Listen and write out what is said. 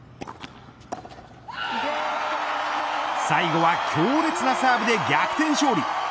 最後は強烈なサーブで逆転勝利。